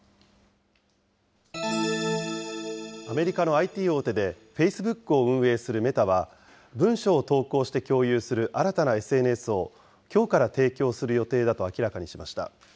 アメリカのＩＴ大手で、フェイスブックを運営するメタは、文章を投稿して共有する新たなＳＮＳを、きょうから提供する予定だと明らかにしました。